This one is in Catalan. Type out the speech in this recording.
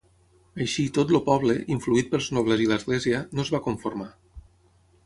Així i tot el poble, influït pels nobles i l'església, no es va conformar.